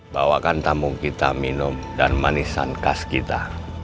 bawakan tamu kita minum dan manisan khas kita